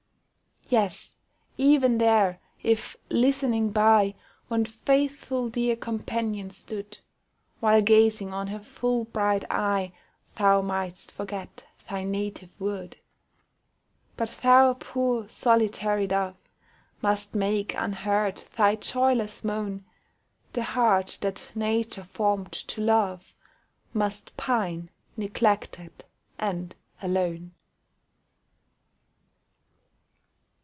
Yes, even there, if, listening by, One faithful dear companion stood, While gazing on her full bright eye, Thou mightst forget thy native wood But thou, poor solitary dove, Must make, unheard, thy joyless moan; The heart that Nature formed to love Must pine, neglected, and alone.